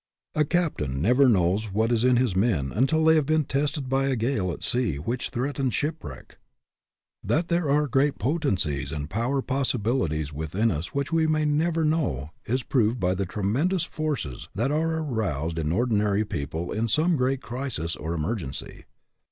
A captain never knows what is in his men until they have been tested by a gale at sea which threatens shipwreck. That there are great potencies and power possibilities within us which we may never know is proved by the tremendous forces that are aroused in ordinary people in some great crisis or emergency.